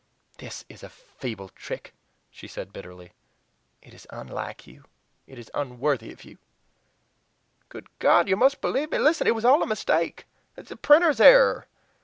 "This is a feeble trick," she said bitterly; "it is unlike you it is unworthy of you!" "Good God! You must believe me. Listen! it was all a mistake a printer's error.